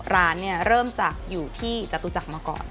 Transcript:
ร้านเนี่ยเริ่มจากอยู่ที่จตุจักรมาก่อน